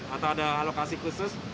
atau ada alokasi khusus